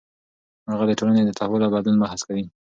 هغه د ټولنې د تحول او بدلون بحث کوي.